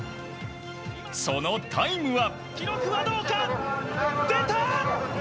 そのタイムは。